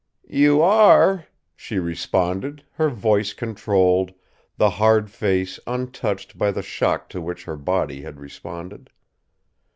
"You are?" she responded, her voice controlled, the hard face untouched by the shock to which her body had responded.